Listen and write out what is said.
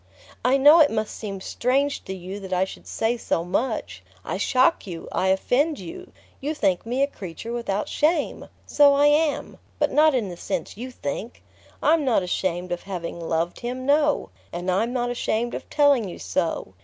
"I know it must seem strange to you that I should say so much. I shock you, I offend you: you think me a creature without shame. So I am but not in the sense you think! I'm not ashamed of having loved him; no; and I'm not ashamed of telling you so.